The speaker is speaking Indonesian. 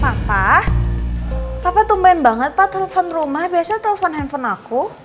papa papa tumben banget pak telpon rumah biasa telpon handphone aku